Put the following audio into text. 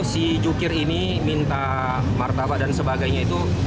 si jukir ini minta martabat dan sebagainya itu